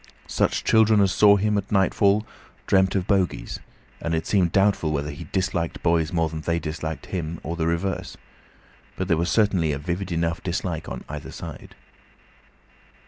Such children as saw him at nightfall dreamt of bogies, and it seemed doubtful whether he disliked boys more than they disliked him, or the reverse; but there was certainly a vivid enough dislike on either side.